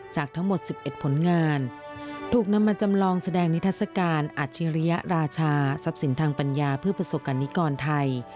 จากทั้งทั้งหมด๑๑ผลงานถูกนำมาจำลองแสดงนิทรรศการอัชริยะราชาสับสินทางปัญญาเพื่อประสบการณ์นี้ก่อนไทย